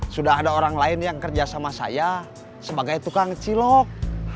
sudah ada orang lain yang kerja sama saya sebagai tukang cilok